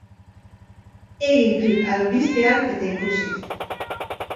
Egin klik albistean eta ikusi.